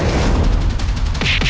kedai yang menangis